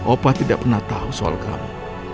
opa tidak pernah tahu soal kamu